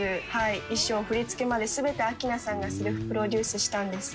衣装振り付けまで全て明菜さんがセルフプロデュースしたんです」